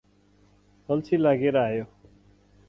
अल्छी लागेर आयो ।